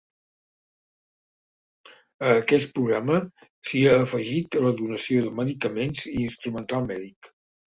A aquest programa s'hi ha afegit la donació de medicaments i instrumental mèdic.